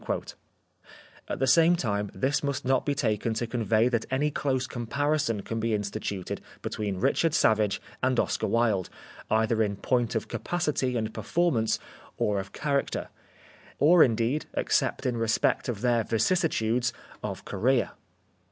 At the same time this must not be taken to convey that any close comparison can be in stituted between Richard Savage and Oscar Wilde, either in point of capacity and perform ance, or of character, or indeed, except in re spect of their vicissitudes, of career.